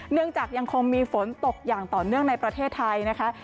เนื่องจากยังคงมีฝนตกอย่างต่อเนื่องในประเทศไทย